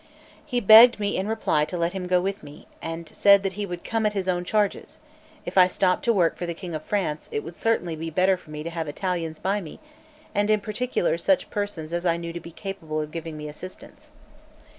He begged me in reply to let him go with me, and said he would come at his own charges; if I stopped to work for the King of France, it would certainly be better for me to have Italians by me, and in particular such persons as I knew to be capable of giving me assistance.